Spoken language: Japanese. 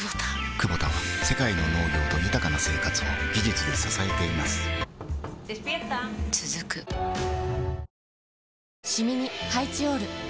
クボタは世界の農業と豊かな生活を技術で支えています起きて。